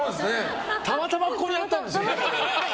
たまたまここにあったんですよ。